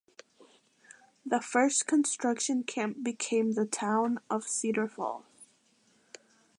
The first construction camp became the town of Cedar Falls.